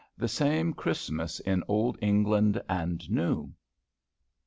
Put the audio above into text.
THE SAME CHRISTMAS IN OLD ENGLAND AND NEW.